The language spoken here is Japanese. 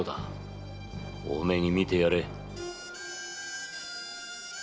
大目に見てやれ。